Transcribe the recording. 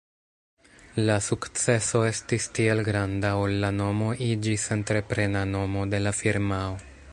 La sukceso estis tiel granda ol la nomo iĝis entreprena nomo de la firmao.